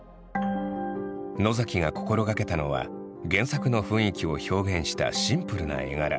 野崎が心がけたのは原作の雰囲気を表現したシンプルな絵柄。